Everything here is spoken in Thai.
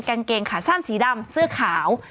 กางเกงขาสั้นสีดำเสื้อขาว